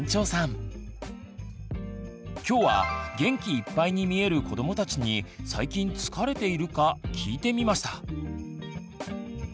今日は元気いっぱいに見えるこどもたちに「最近疲れているか」聞いてみました！